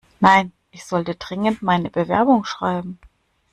Nein, ich sollte dringend meine Bewerbung schreiben.